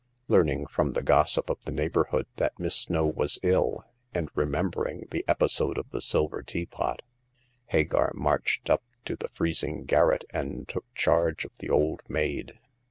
Learning from the gossip of the neighborhood that Miss Snow was ill, and remembering the episode of the silver teapot, Hagar marched up to the freezing garret and took charge of the old maid.